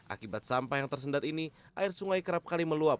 akibat sampah yang tersendat ini air sungai kerap kali meluap